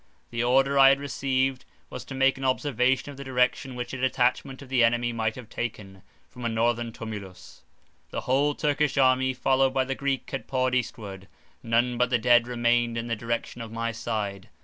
The order I had received, was to make an observation of the direction which a detachment of the enemy might have taken, from a northern tumulus; the whole Turkish army, followed by the Greek, had poured eastward; none but the dead remained in the direction of my side.